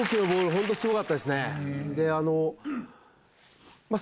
本当すごかったですね。